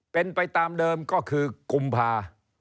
เป็นไปตามเดิมก็คือกุมภา